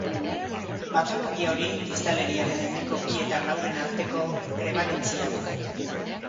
Patologia hori biztanleriaren ehuneko bi eta lauaren arteko prebalentzia du.